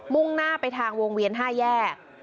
่งหน้าไปทางวงเวียน๕แยก